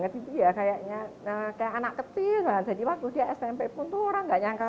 makanya enggak terlalu belakangan